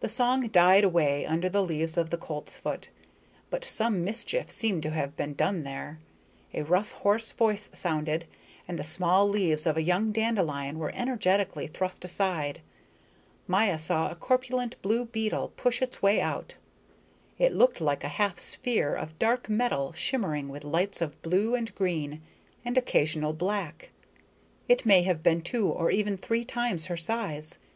The song died away under the leaves of the coltsfoot. But some mischief seemed to have been done there. A rough, hoarse voice sounded, and the small leaves of a young dandelion were energetically thrust aside. Maya saw a corpulent blue beetle push its way out. It looked like a half sphere of dark metal, shimmering with lights of blue and green and occasional black. It may have been two or even three times her size.